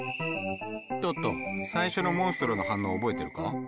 トット最初のモンストロの反応を覚えてるか？